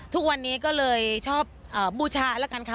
ทุกวันนี้ก็เลยชอบบูชาแล้วกันค่ะ